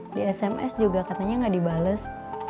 di sms juga katanya nggak dibales